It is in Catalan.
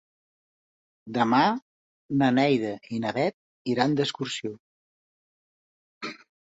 Demà na Neida i na Bet iran d'excursió.